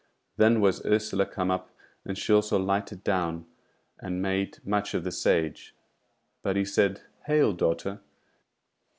Then was Ursula come up, and she also lighted down and made much of the Sage. But he said: "Hail, daughter!